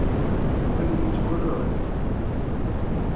Yuba yella yettgurruɛ-d.